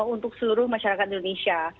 untuk seluruh masyarakat indonesia